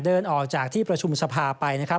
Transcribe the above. เดินออกจากที่ประชุมสภาไปนะครับ